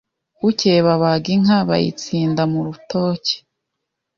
Bukeye babaga inka bayitsinda mu rutoke